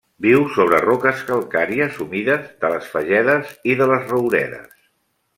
Viu sobre roques calcàries humides de les fagedes i de les rouredes.